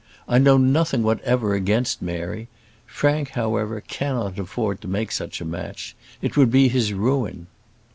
I know nothing whatever against Mary. Frank, however, cannot afford to make such a match. It would be his ruin."